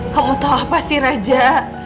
kamu tahu apa sih raja